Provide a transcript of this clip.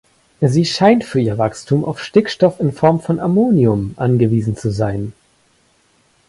Sie scheint für ihr Wachstum auf Stickstoff in Form von Ammonium angewiesen zu sein.